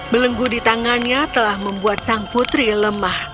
belenggu di tangannya telah membuat sang putri lemah